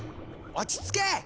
落ち着け！